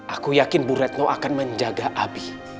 aku yakin bu retno akan menjaga abi